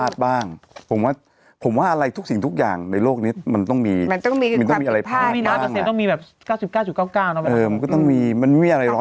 ทางบุ๊คก็ต้องมีมันไม่มีอะไร๑๐๐